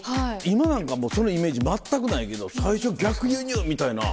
今なんかそのイメージ全くないけど最初「逆輸入！」みたいな。